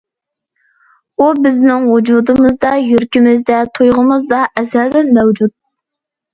ئۇ بىزنىڭ ۋۇجۇدىمىزدا، يۈرىكىمىزدە، تۇيغۇمىزدا ئەزەلدىن مەۋجۇت.